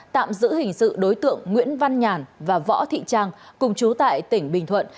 tạm giữ hình sự đối tượng nguyễn văn nhàn và võ thị trang cùng chú tại tỉnh bình thuận